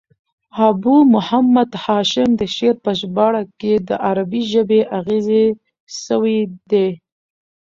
ابو محمد هاشم د شعر په ژباړه کښي د عربي ژبي اغېزې سوي دي.